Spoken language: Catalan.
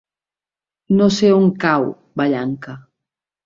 No sé on cau Vallanca.